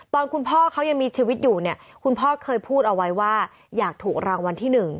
ตอนคุณพ่อเขายังมีชีวิตอยู่เนี่ยคุณพ่อเคยพูดเอาไว้ว่าอยากถูกรางวัลที่๑